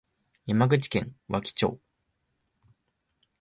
山口県和木町